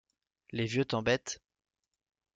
Les vieux t’embêtent.